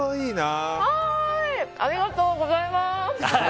ありがとうございます！